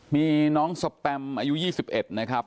มีน้องสแปมอายุ๒๑นะครับ